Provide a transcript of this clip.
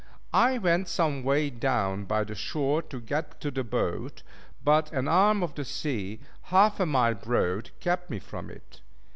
I went some way down by the shore, to get to the boat; but an arm of the sea, half a mile broad, kept me from it.